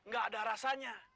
gak ada rasanya